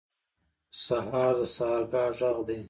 سهار د سحرګاه غږ دی.